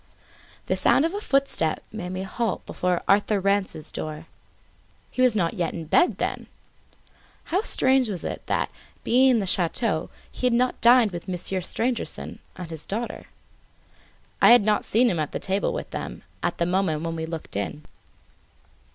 The sound of a footstep made me halt before Arthur Rance's door. He was not yet in bed, then! How was it that, being in the chateau, he had not dined with Monsieur Stangerson and his daughter? I had not seen him at table with them, at the moment when we looked in.